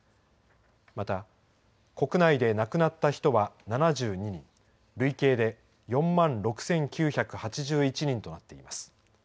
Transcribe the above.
また、国内で亡くなった人は７２人累計で４万６９８１人となっています。